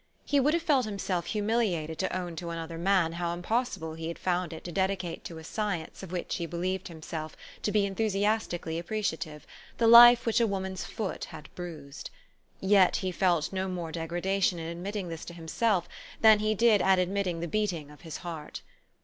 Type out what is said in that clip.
He would have felt himself humili ated to own to another man how impossible he had found it to dedicate to a science of which he be lieved himself to be enthusiastically appreciative, the life which a woman's foot had bruised. Yet he felt no more degradation in admitting this to him self than he did at admitting the beating of his heart.